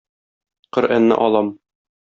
Коръәнне алам.